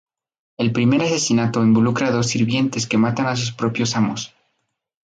El primer asesinato involucra dos sirvientes que matan a sus propios amos.